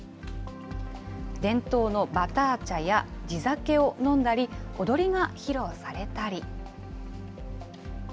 伝統のバター茶や地酒を飲んだり、踊りが披露されたり。